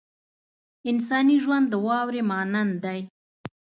انساني ژوند د واورې مانند دی.